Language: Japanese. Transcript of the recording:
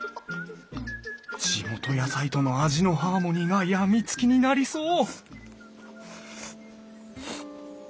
地元野菜との味のハーモニーが病みつきになりそう！